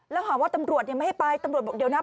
แล้วหาว่าตำรวจไม่ให้ไปตำรวจบอกเดี๋ยวนะ